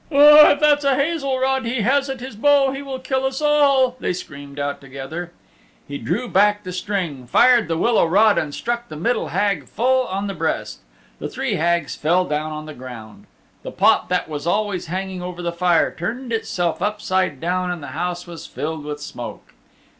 "Oh, if that's a hazel rod he has at his bow he will kill us all," they screamed out together. He drew back the string, fired the willow rod and struck the middle Hag full on the breast. The three Hags fell down on the ground. The pot that was always hanging over the fire turned itself upside down and the house was filled with smoke.